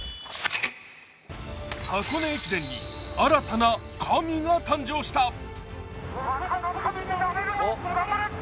箱根駅伝に新たな神が誕生した。